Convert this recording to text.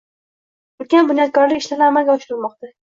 Ulkan bunyodkorlik ishlari amalga oshirilmoqda